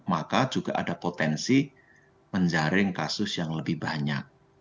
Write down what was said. maka juga ada potensi menjaring kasus yang lebih banyak